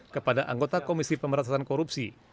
kepada anggota komisi pemberantasan korupsi